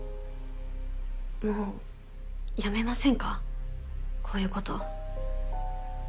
もうやめませんかこういうこと。